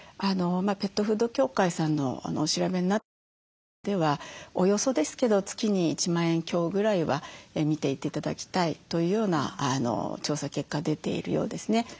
ペットフード協会さんのお調べになった結果ではおおよそですけど月に１万円強ぐらいは見て頂きたいというような調査結果出ているようですね。